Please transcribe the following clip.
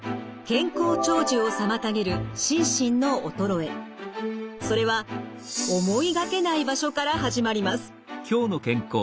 健康長寿を妨げるそれは思いがけない場所から始まります。